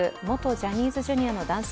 ジャニーズＪｒ．の男性